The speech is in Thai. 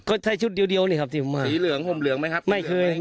ก็ใส่ชุดเดียวเดียวนี่ครับที่ผมว่าสีเหลืองห่มเหลืองไหมครับสีเหลืองไหม